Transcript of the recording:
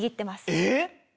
えっ！？